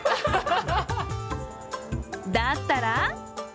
だったら！